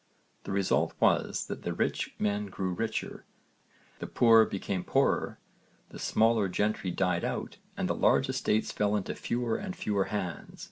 The result was that the rich men grew richer, the poor became poorer, the smaller gentry died out and the large estates fell into fewer and fewer hands.